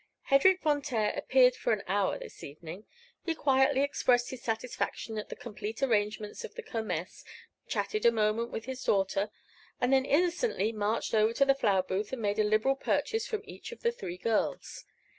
Hedrik Von Taer appeared for an hour this evening. He quietly expressed his satisfaction at the complete arrangements of the Kermess, chatted a moment with his daughter, and then innocently marched over to the flower booth and made a liberal purchase from each of the three girls.